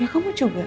ya kamu juga